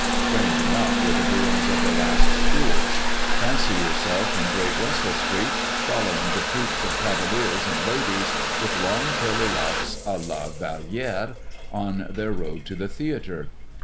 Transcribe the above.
Strange enough were the doings of the last Stuarts. Fancy yourself in Great Russell Street, following the troops of cavaliers and ladies, with long curly locks à la Vallière, on their road to the theatre.